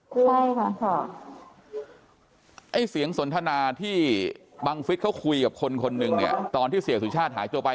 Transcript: ใช่ค่ะไอ้เสียงสนทนาที่บังฤษเขาคุยกับคนตอนที่เสียสุชาติหายจับไป